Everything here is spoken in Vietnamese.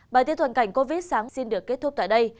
bài viết thuận cảnh covid sáng xin được kết thúc tại đây